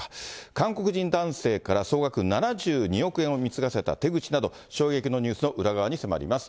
韓国人男性から総額７２億円を貢がせた手口など、衝撃のニュースの裏側に迫ります。